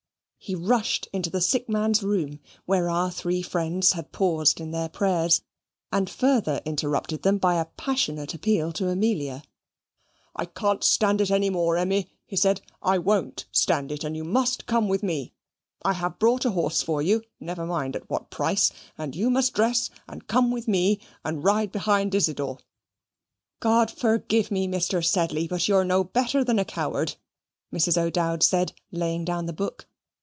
He rushed into the sick man's room, where our three friends had paused in their prayers, and further interrupted them by a passionate appeal to Amelia. "I can't stand it any more, Emmy," he said; "I won't stand it; and you must come with me. I have bought a horse for you never mind at what price and you must dress and come with me, and ride behind Isidor." "God forgive me, Mr. Sedley, but you are no better than a coward," Mrs. O'Dowd said, laying down the book.